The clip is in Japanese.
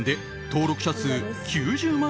登録者数９０万